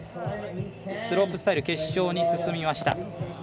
スロープスタイル決勝に進みました。